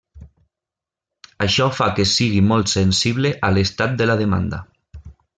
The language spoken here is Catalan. Això fa que sigui molt sensible a l'estat de la demanda.